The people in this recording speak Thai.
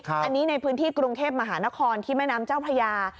อันนี้ในพื้นที่กรุงเทพมหานครที่แม่น้ำเจ้าพระยา